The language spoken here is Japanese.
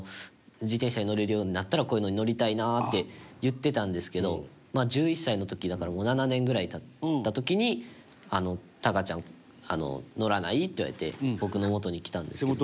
「自転車に乗れるようになったらこういうのに乗りたいな」って言ってたんですけど１１歳の時だからもう、７年ぐらい経った時に「隆ちゃん、乗らない？」って言われて僕の元に来たんですけど。